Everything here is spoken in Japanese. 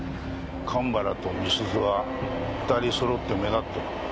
神原と美鈴は２人揃って目立ってる。